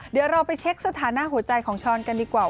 เดี๋ยวเราไปเช็คสถานะหัวใจของช้อนกันดีกว่า